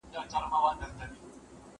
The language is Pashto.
هغې د فشار د کمولو لپاره لارې چارې ولټولې.